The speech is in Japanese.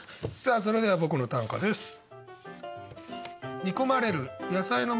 さあそれでは僕の短歌です。